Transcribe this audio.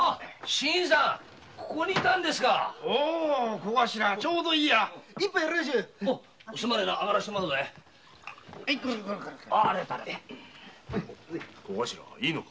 小頭いいのか？